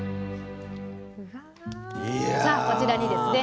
じゃあこちらにですね